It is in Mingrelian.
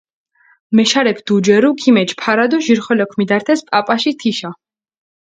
მეშარექ დუჯერუ, ქიმეჩჷ ფარა დო ჟირხოლოქ მიდართეს პაპაში თიშა.